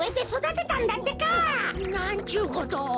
なんちゅうことを。